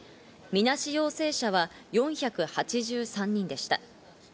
みなし陽性者は４８３人でした。